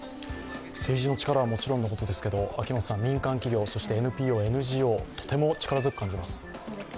政治の力はもちろんのことですけど民間企業そしてＮＰＯ、ＮＧＯ、とても力強く感じます。